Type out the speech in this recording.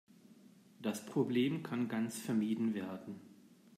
Das Problem kann ganz vermieden werden.